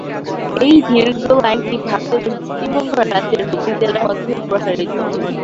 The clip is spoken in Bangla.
এই দীর্ঘ লাইনটি ভারতের পশ্চিমবঙ্গ রাজ্যের হুগলি জেলার মধ্যে প্রসারিত।